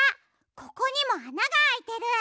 ここにもあながあいてる。